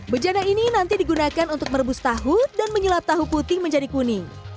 bejana ini nanti digunakan untuk merebus tahu dan menyelap tahu putih menjadi kuning